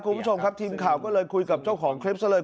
คุณผู้ชมครับทีมข่าวก็เลยคุยกับเจ้าของคลิปซะเลย